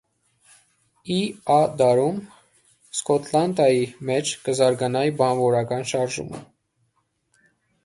Ի.Ա. դարուն, Սքոթլանտայի մէջ կը զարգանայ բանուորական շարժումը։